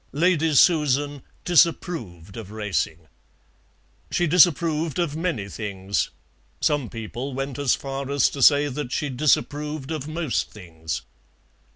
Lady Susan disapproved of racing. She disapproved of many things; some people went as far as to say that she disapproved of most things.